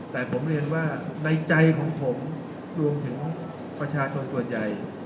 แต่ผมเรียนว่าในใจของผมรวมถึงประชาชนส่วนใหญ่